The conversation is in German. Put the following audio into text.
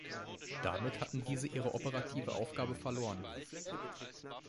Damit hatten diese ihre operative Aufgabe verloren.